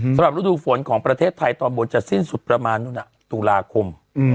สำหรับฤดูฝนของประเทศไทยตอนบนจะสิ้นสุดประมาณตุลาคม